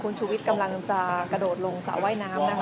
คุณชูวิทย์กำลังจะกระโดดลงสระว่ายน้ำนะคะ